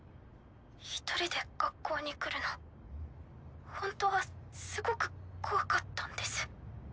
一人で学校に来るのほんとはすごく怖かったんです。